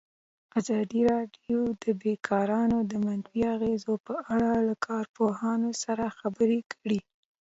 ازادي راډیو د بیکاري د منفي اغېزو په اړه له کارپوهانو سره خبرې کړي.